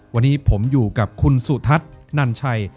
วันนี้ผมอยู่กับคุณสุธัฐนั่นใช่